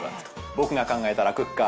僕が考えたラ・クッカー。